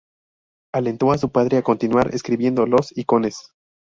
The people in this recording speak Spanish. Alentó a su padre a continuar escribiendo los "Icones".